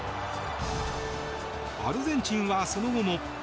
アルゼンチンはその後も。